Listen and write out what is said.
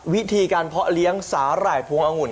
วิธีการเพาะเลี้ยงสาหร่ายพวงองุ่น